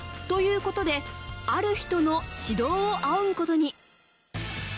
ということで、ある人の指導を仰ぐことに。